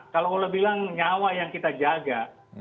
kalau allah bilang nyawa yang kita jaga